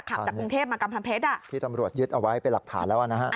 ขับจากกรุงเทพมากำแพงเพชรอ่ะที่ตำรวจยึดเอาไว้เป็นหลักฐานแล้วนะฮะ